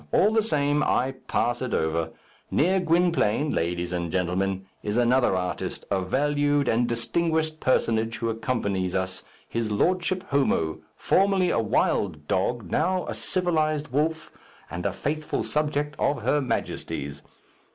All the same, I pass it over. Near Gwynplaine, gentlemen and ladies, is another artist, a valued and distinguished personage who accompanies us his lordship Homo, formerly a wild dog, now a civilized wolf, and a faithful subject of her Majesty's.